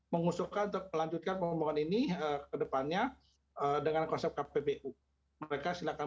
mengusulkan untuk melanjutkan pembangunan ini kedepannya dengan konsep kpbu mereka silakan